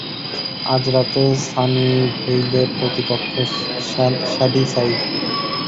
আজ রাতে সানিভেইলের প্রতিপক্ষ শ্যাডিসাইড।